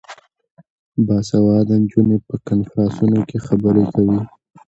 باسواده نجونې په کنفرانسونو کې خبرې کوي.